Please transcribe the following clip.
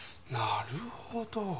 なるほど。